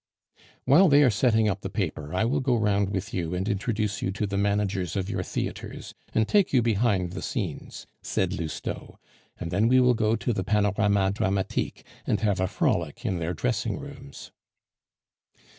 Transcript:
"While they are setting up the paper, I will go round with you and introduce you to the managers of your theatres, and take you behind the scenes," said Lousteau. "And then we will go to the Panorama Dramatique, and have a frolic in their dressing rooms."